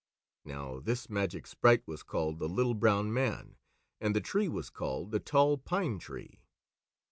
Now this magic sprite was called the Little Brown Man, and the tree was called the Tall Pine Tree.